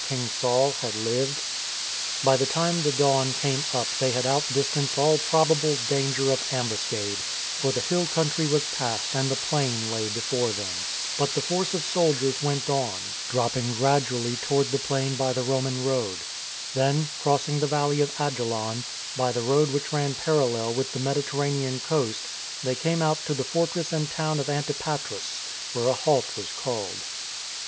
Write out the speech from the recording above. King Saul, had lived ? By the time the dawn came up they had out distanced all probable danger of ambuscade, for the hill country was past and the plain lay before them. But the force of soldiers went on, dropping gradually AT NIGHT "I APPEAL TO a^SAR!" 303 toward the plain by the Roman road. Then, crossing the valley of Ajilon, by the road which ran parallel with the Mediterranean coast, they came out to the fortress and town of Antipatris,^ where a halt was called.